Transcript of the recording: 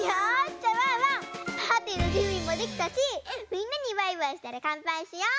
じゃあワンワンパーティーのじゅんびもできたしみんなにバイバイしたらかんぱいしよう！